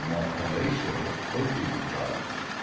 45 more palatial opium club.